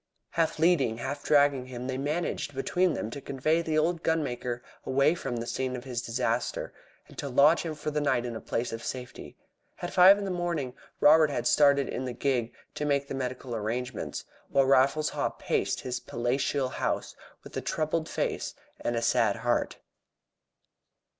Half leading and half dragging him they managed between them to convey the old gunmaker away from the scene of his disaster, and to lodge him for the night in a place of safety. At five in the morning Robert had started in the gig to make the medical arrangements, while Raffles Haw paced his palatial house with a troubled face and a sad heart.